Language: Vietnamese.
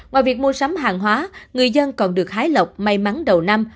ngoài việc mua sắm hàng hóa người dân còn được hái lộc may mắn đầu năm